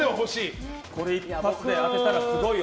一発で当てたらすごいよ。